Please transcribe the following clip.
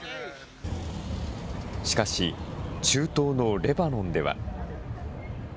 しかし中東のレバノンでは。